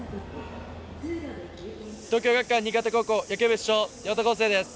東京学館新潟高校野球部主将・八幡康生です。